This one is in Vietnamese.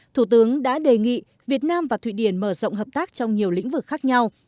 thủ tướng đã đề nghị việt nam và thụy điển mở rộng hợp tác trong nhiều lĩnh vực khác nhau